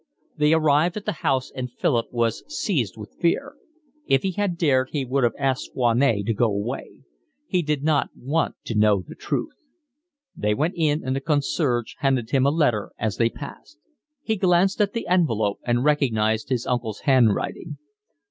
They arrived at the house, and Philip was seized with fear. If he had dared he would have asked Foinet to go away. He did not want to know the truth. They went in and the concierge handed him a letter as they passed. He glanced at the envelope and recognised his uncle's handwriting.